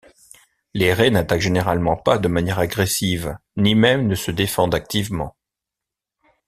Les raies n'attaquent généralement pas de manière agressive ni même ne se défendent activement.